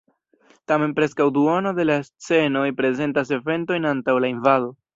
Tamen preskaŭ duono de la scenoj prezentas eventojn antaŭ la invado.